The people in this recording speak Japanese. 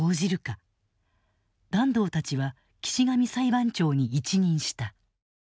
團藤たちは岸上裁判長に一任した。